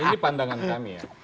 ini pandangan kami ya